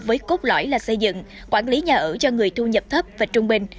với cốt lõi là xây dựng quản lý nhà ở cho người thu nhập thấp và trung bình